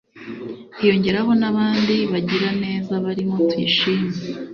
hiyongeraho n'abandi bagiraneza barimo Tuyishime